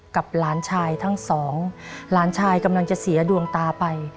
หลานชายทั้งสองหลานชายกำลังจะเสียดวงตาไป